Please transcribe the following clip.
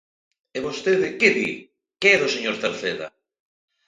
E vostede ¿que di?: que é do señor Cerceda.